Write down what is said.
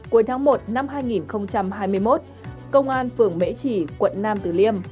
cuối tháng một năm hai nghìn hai mươi một công an phường mễ trì quận nam tử liêm